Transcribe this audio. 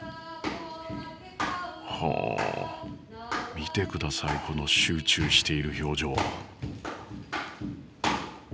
ほお見て下さいこの集中している表情。